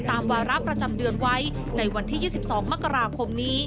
วาระประจำเดือนไว้ในวันที่๒๒มกราคมนี้